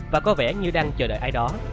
và có vẻ như đang chờ đợi ai đó